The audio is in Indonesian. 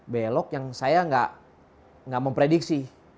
belok yang saya nggak memprediksi